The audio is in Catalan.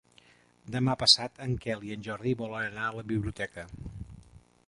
Demà passat en Quel i en Jordi volen anar a la biblioteca.